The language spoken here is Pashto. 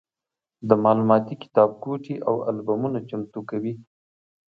د معلوماتي کتابګوټي او البومونه چمتو کوي.